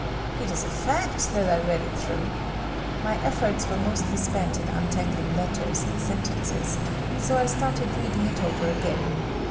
It is a fact that I read it through. My efforts were mostly spent in untangling letters and sentences; so I started reading it over again.